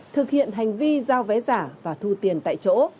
thực hiện hành vi giao vé giả và thu tiền tại chỗ